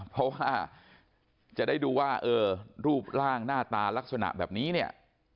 เพราะว่าจะได้ดูว่าเออรูปร่างหน้าตาลักษณะแบบนี้เนี่ย